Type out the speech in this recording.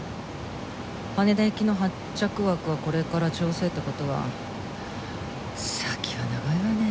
羽田行きの発着枠はこれから調整って事は先は長いわね。